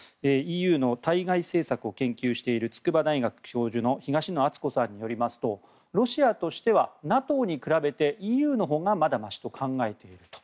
ＥＵの対外政策を研究している筑波大学教授の東野篤子さんによりますとロシアとしてはＮＡＴＯに比べてＥＵのほうがまだましと考えていると。